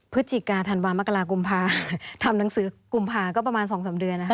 พฤศจิกาธันวามกรากุมภาทำหนังสือกุมภาก็ประมาณ๒๓เดือนนะคะ